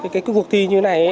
cái cuộc thi như thế này